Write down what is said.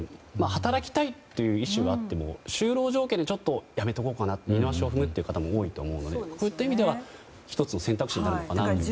働きたいという意思があっても就労条件でちょっとやめておこうかなと二の足を踏む方も多いと思うのでそういった意味では１つの選択肢になるのかなと。